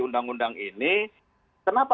undang undang ini kenapa